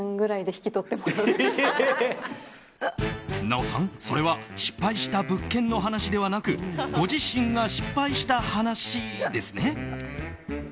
奈緒さん、それは失敗した物件の話ではなくご自身が失敗した話ですね？